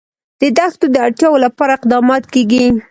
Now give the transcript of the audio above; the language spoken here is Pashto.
د دښتو د اړتیاوو لپاره اقدامات کېږي.